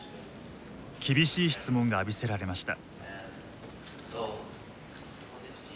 厳しい質問が浴びせられました。